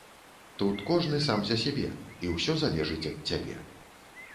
Тут кожны сам за сябе, і ўсё залежыць ад цябе.